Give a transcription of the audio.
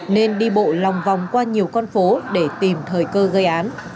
nên đi bộ lòng vòng qua nhiều con phố để tìm thời cơ gây án